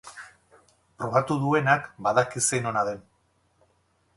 Probatu duenak badaki zein ona den.